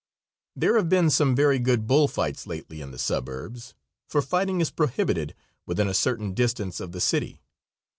There have been some very good bull fights lately in the suburbs, for fighting is prohibited within a certain distance of the city.